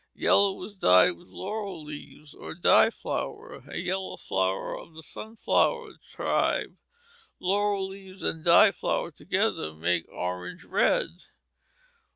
Yellow is dyed with laurel leaves, or "dye flower," a yellow flower of the sunflower tribe; laurel leaves and "dye flower" together made orange red.